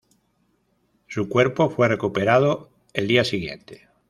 Su cuerpo fue recuperado el día siguiente.